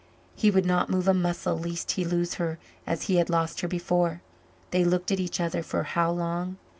He would not move a muscle lest he lose her as he had lost her before. They looked at each other for how long?